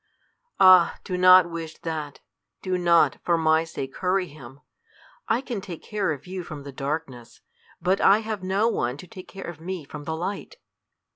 "Ah! do not wish that. Do not, for my sake, hurry him. I can take care of you from the darkness, but I have no one to take care of me from the light.